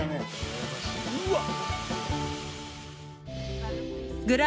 うわっ！